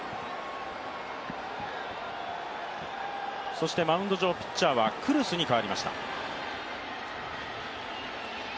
そしてマウンド上ピッチャーはクルスに代わりました。